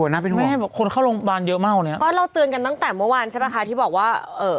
วัวว่ารเยอะมากเนี้ยก็เราเตือนกันตั้งแต่เมื่อวันใช่ปะค่ะที่บอกว่าเอ่อ